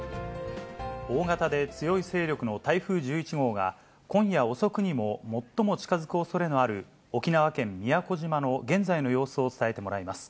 大型で強い勢力の台風１１号が、今夜遅くにも最も近づくおそれのある沖縄県宮古島の現在の様子を伝えてもらいます。